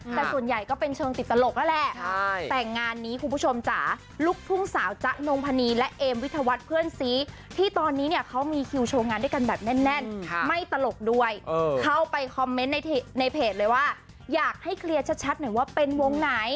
แต่ส่วนใหญ่ก็เป็นเชิงติดตลกนั่นแหละแต่งานนี้คุณผู้ชมจ๋าลูกทุ่งสาวจ๊ะนงพนีและเอมวิทยาวัฒน์เพื่อนซีที่ตอนนี้เนี่ยเขามีคิวโชว์งานด้วยกันแบบแน่นไม่ตลกด้วยเข้าไปคอมเมนต์ในเพจเลยว่าอยากให้เคลียร์ชัดหน่อยว่าเป็นวงไหน